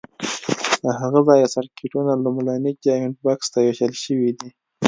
له هغه ځایه سرکټونو لومړني جاینټ بکس ته وېشل شوي دي.